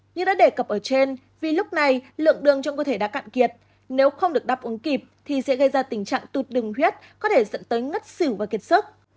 như đã đề cập ở trên vì lúc này lượng đường trong cơ thể đã cạn kiệt nếu không được đáp ứng kịp thì sẽ gây ra tình trạng tụt đường huyết có thể dẫn tới ngất xỉu và kiệt sức